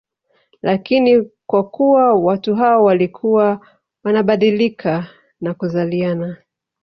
Lakini kwa kuwa watu hao walikuwa wanabadilika na kuzaliana